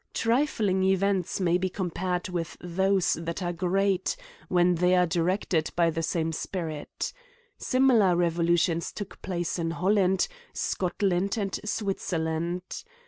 Trifling events may be compared with those CRIMES \ND PUNISHMENTS. U3 that are great, when they are directed by the same spirit. Similar revolutions took place in Holland, Scotland, and Switzerland.